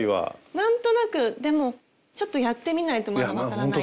何となくでもちょっとやってみないとまだわからないような。